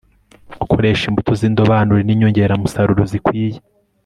gukoresha imbuto z'indobanure n' inyongeramusaruro zikwiye